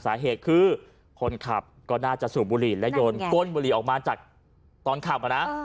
สาเหตุคือคนขับก็น่าจะสูบบุหรี่และโยนก้นบุหรี่ออกมาจากตอนขับมานะ